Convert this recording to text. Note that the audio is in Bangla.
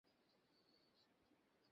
কোনও সাক্ষী আছে?